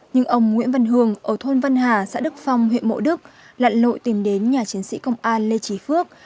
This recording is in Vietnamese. nhưng ông nguyễn văn hường ở thôn vân hà xã đức phong huyện mộ đức lặn lội tìm đến nhà chiến sĩ công an lê trí phước